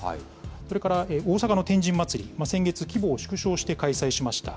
それから大阪の天神祭、先月、規模を縮小して開催しました。